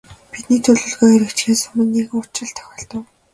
Бидний төлөвлөгөө хэрэгжихээс өмнө нэгэн учрал тохиолдов.